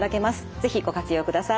是非ご活用ください。